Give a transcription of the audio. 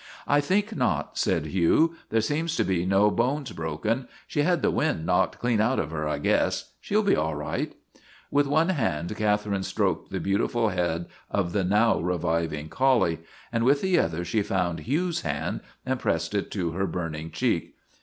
I think not," said Hugh. " There seem to be (C LORNA OF THE BLACK EYE 267 no bones broken. She had the wind knocked clean out of her, I guess. She '11 be all right." With one hand Catherine stroked the beautiful head of the now reviving collie, and with the other she found Hugh's hand and pressed it to her burning cheek.